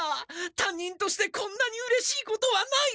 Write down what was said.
たんにんとしてこんなにうれしいことはない！